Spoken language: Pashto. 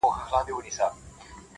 نجلۍ د سخت درد سره مخ کيږي او چيغي وهي,